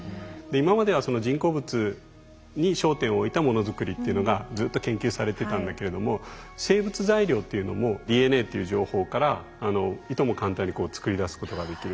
今までは人工物に焦点を置いたもの作りっていうのがずっと研究されてたんだけれども生物材料っていうのもＤＮＡっていう情報からいとも簡単に作り出すことができる。